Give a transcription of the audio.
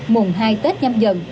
mùng hai tết nhăm dần